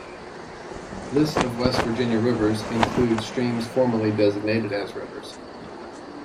List of West Virginia rivers includes streams formally designated as rivers.